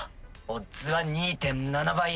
オッズは２．７倍。